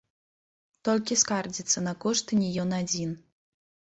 Толькі скардзіцца на кошты не ён адзін.